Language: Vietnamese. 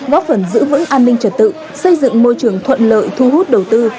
góp phần giữ vững an ninh trật tự xây dựng môi trường thuận lợi thu hút đầu tư